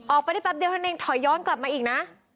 ออกไปได้แป๊บเดียวเท่านั้นเองถอยย้อนกลับมาอีกนะ